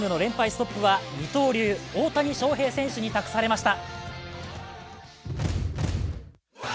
ストップは二刀流・大谷翔平選手に託されました。